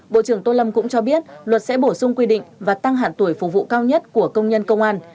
bộ trưởng tô lâm cũng cho biết luật sẽ bổ sung quy định và tăng hạn tuổi phục vụ cao nhất của công nhân công an